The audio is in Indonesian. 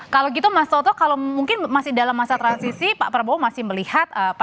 kalau gitu mas toto kalau mungkin masih dalam masa transisi pak prabowo masih melihat